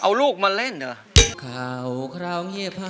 เอาลูกมาเล่นด้วย